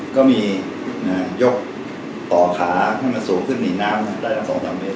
ก็มียกต่อขาให้มันสูงขึ้นหนีน้ำได้ละ๒๓เมตร